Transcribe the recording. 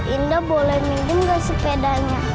indah boleh minum gak sepedanya